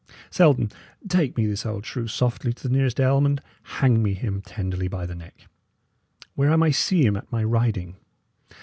Selden, take me this old shrew softly to the nearest elm, and hang me him tenderly by the neck, where I may see him at my riding.